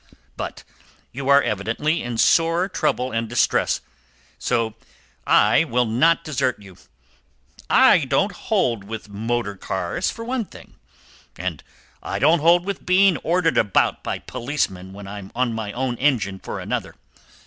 But you are evidently in sore trouble and distress, so I will not desert you. I don't hold with motor cars, for one thing; and I don't hold with being ordered about by policemen when I'm on my own engine, for another.